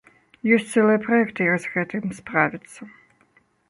Ёсць цэлыя праекты, як з гэтым справіцца.